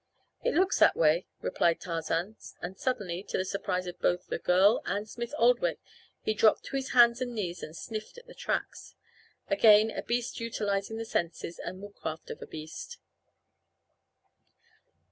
"It looks that way," replied Tarzan, and suddenly, to the surprise of both the girl and Smith Oldwick, he dropped to his hands and knees and sniffed at the tracks again a beast utilizing the senses and woodcraft of a beast.